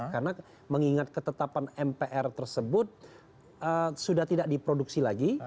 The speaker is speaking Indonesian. karena mengingat ketetapan mpr tersebut sudah tidak diproduksi lagi